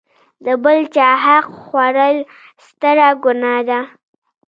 د بل چاحق خوړل ستره ګناه ده.